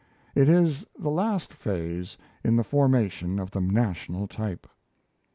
It is the last phase in the formation of the national type.